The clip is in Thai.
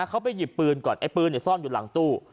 เขาไปหยิบปืนก่อนไอ้ปืนซ่อนอยู่หลังตู้